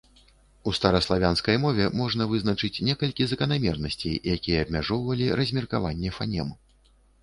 У стараславянскай мове можна вызначыць некалькі заканамернасцей, якія абмяжоўвалі размеркаванне фанем.